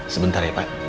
sebentar ya pak